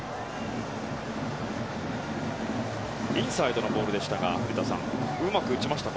インサイドのボールでしたが古田さんうまく打ちましたか？